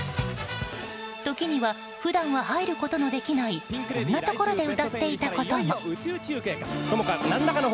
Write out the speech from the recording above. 時には普段は入ることのできないこんなところで歌っていたことも。